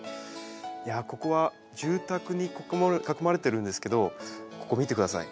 ここは住宅に囲まれてるんですけどここ見てください。